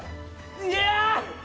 いや！